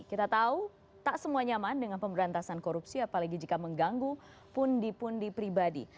kita tahu tak semua nyaman dengan pemberantasan korupsi apalagi jika mengganggu pundi pundi pribadi